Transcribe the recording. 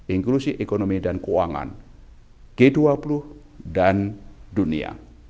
inklusi ekonomi dan keuangan g dua puluh dan dunia